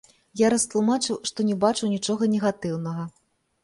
Я растлумачыў, што не бачу нічога негатыўнага.